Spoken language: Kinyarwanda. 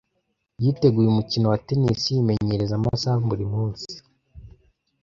Yiteguye umukino wa tennis yimenyereza amasaha buri munsi.